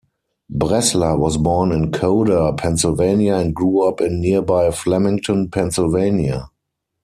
Bressler was born in Coder, Pennsylvania and grew up in nearby Flemington, Pennsylvania.